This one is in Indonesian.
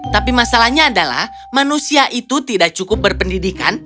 tapi masalahnya adalah manusia itu tidak cukup berpendidikan